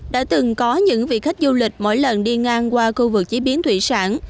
đã từng có những vị khách du lịch mỗi lần đi ngang qua khu vực chế biến thủy sản